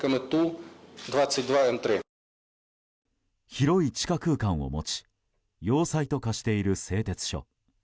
広い地下空間を持ち要塞と化している製鉄所。